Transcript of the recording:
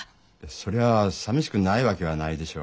そりゃあ寂しくないわけはないでしょう。